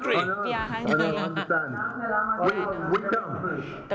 ก็ยังบรรณาภัณฑ์